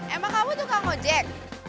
emang kamu tukang ojek